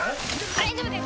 大丈夫です